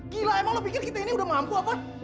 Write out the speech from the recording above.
gila emang lo pikir kita ini udah mampu apa